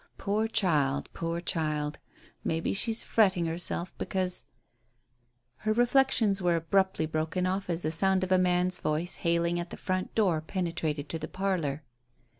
Poor child, poor child. Maybe she's fretting herself because " Her reflections were abruptly broken off as the sound of a man's voice hailing at the front door penetrated to the parlour.